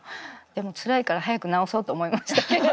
でもつらいから早く治そうと思いましたけど。